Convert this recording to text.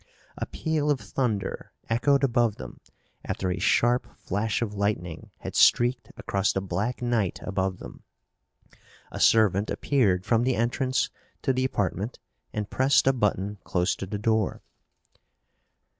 A peal of thunder echoed above them after a sharp flash of lightning had streaked across the black night above them. A servant appeared from the entrance to the apartment and pressed a button close to the door.